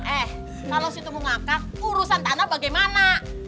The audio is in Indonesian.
eh kalau sih itu mau ngakak urusan tante bagaimana